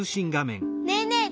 ねえねえ